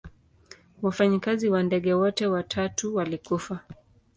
Wafanyikazi wa ndege wote watatu walikufa.